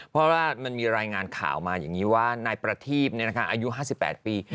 เพราะว่ามันมีรายงานข่าวมาอย่างนี้ว่านายประทีบอายุ๕๘ปี